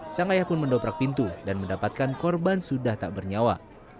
sang ayah pun mendoprak pintu dan mendapatkan korban sudah tak bernyawa